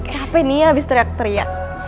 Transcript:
capek nih habis teriak teriak